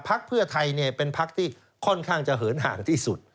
พรรคเพื่อไทยเนี่ยเป็นพรรคที่ค่อนข้างจะเหินห่างที่สุด